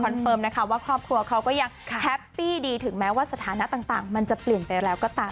เฟิร์มนะคะว่าครอบครัวเขาก็ยังแฮปปี้ดีถึงแม้ว่าสถานะต่างมันจะเปลี่ยนไปแล้วก็ตาม